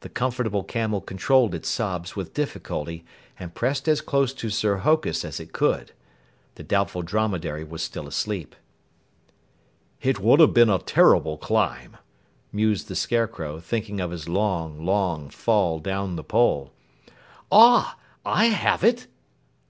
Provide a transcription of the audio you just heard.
The Comfortable Camel controlled its sobs with difficulty and pressed as close to Sir Hokus as it could. The Doubtful Dromedary was still asleep. "It would have been a terrible climb," mused the Scarecrow, thinking of his long, long fall down the pole. "Ah, I have it!"